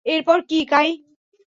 এরপর কি, কাই?